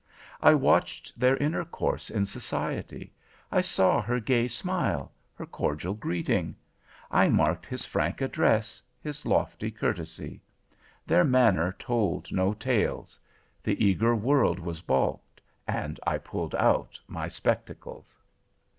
I watched their intercourse in society, I saw her gay smile, her cordial greeting; I marked his frank address, his lofty courtesy. Their manner told no tales. The eager world was balked, and I pulled out my spectacles.